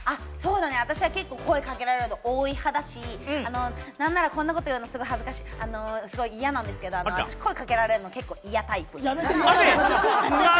私は結構、声かけられること多い派だし、なんならこんなこと言うのは恥ずかしい、嫌なんですけれども、声かけるの結構、嫌タイプ。